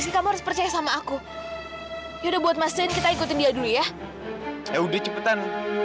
sih kamu harus percaya sama aku udah buat masih kita ikutin dia dulu ya ya udah cepetan